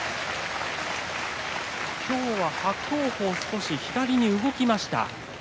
今日は伯桜鵬少し左に動きました。